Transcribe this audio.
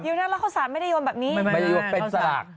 ยกนั้นแล้วข้าวสารไม่ได้โยนแบบนี้ไม่เป็นสลาก